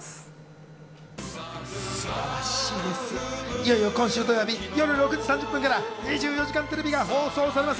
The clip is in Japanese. いよいよ今週土曜日夜６時３０分から『２４時間テレビ』が放送されます。